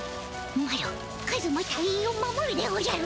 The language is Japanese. マロカズマ隊員を守るでおじゃる。